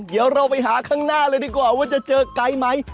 เดี๋ยวเราไปหาข้างหน้าเลยดีกว่าว่าจะเจอไกด์ไหม